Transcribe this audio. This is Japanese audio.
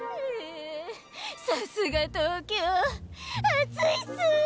さすが東京暑いっす！